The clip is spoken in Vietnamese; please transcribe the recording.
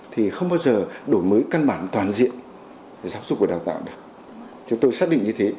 thì không bao giờ đổi mới căn bản toàn diện giáo dục và đào tạo được chúng tôi xác định như thế